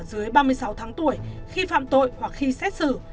dưới ba mươi sáu tháng tuổi khi phạm tội hoặc khi xét xử